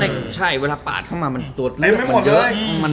แล้วในช่ายเวลาปาดเข้ามามันตรวจเลือกมันเยอะ